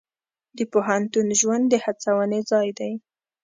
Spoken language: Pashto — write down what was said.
د پوهنتون ژوند د هڅونې ځای دی.